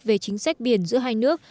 về chính sách biển giữa hai nước